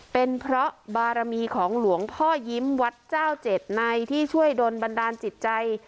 เป็นเพราะบารมีของหลวงพ่อยิ้มวัดเจ้าเจ็ดในที่ช่วยดนบันดาลจิตใจ